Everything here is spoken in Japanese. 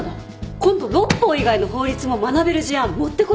今度六法以外の法律も学べる事案持ってこようか。